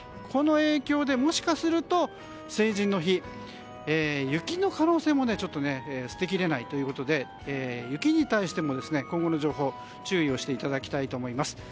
この影響でもしかすると成人の日雪の可能性も捨て切れないということで雪に対しても、今後の情報注意していただきたいと思います。